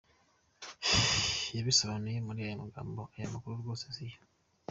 Yabisobanuye muri aya magambo: “Ayo makuru rwose siyo.